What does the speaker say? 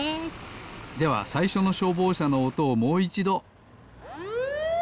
ではさいしょのしょうぼうしゃのおとをもういちど。